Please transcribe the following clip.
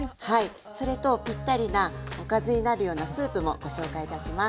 それとぴったりなおかずになるようなスープもご紹介いたします。